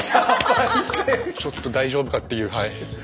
ちょっと大丈夫かっていう。